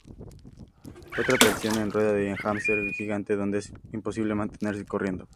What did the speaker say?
Otra atracción es una rueda de hámster gigante donde es imposible mantenerse corriendo.